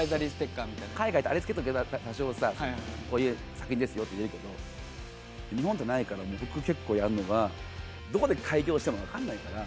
海外だとあれつけとけば多少さこういう作品ですって言えるけど日本ってないから僕結構やるのがどこで改行しても分かんないから。